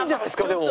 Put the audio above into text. でも。